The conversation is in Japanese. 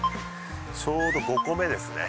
ちょうど５個目ですね